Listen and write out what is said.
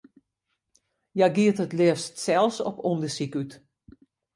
Hja giet it leafst sels op ûndersyk út.